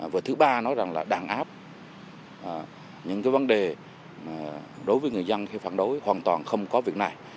và thứ ba là đàn áp những vấn đề đối với người dân khi phản đối hoàn toàn không có việc này